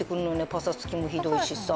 パサつきもひどいしさ。